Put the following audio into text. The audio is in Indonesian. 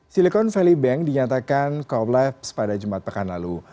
silicon valley bank dinyatakan korlafe pada jumat pekan lalu